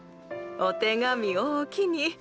お手紙おおきに。